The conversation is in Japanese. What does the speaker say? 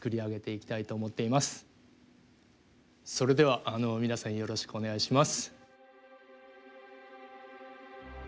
それでは皆さんよろしくお願いします。